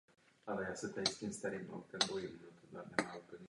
Přepracování směrnice bylo nezbytné.